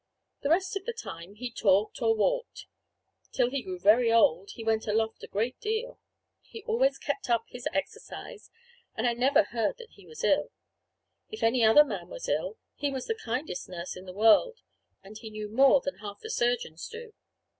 The rest of the time he talked or walked. Till he grew very old, he went aloft a great deal. He always kept up his exercise; and I never heard that he was ill. If any other man was ill, he was the kindest nurse in the world; and he knew more than half the surgeons do.